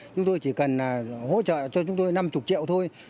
chúng tôi chỉ cần hỗ trợ cho chúng tôi năm mươi triệu thôi